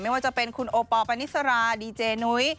ว่าจะเป็นคุณโอปอลปานิสราดีเจนุ้ย